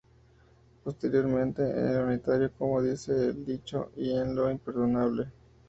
Posteriormente en el unitario "Como dice el dicho", y en "Lo imperdonable".